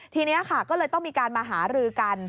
ทีนี้ค่ะก็เลยต้องมีการมาหารือกัน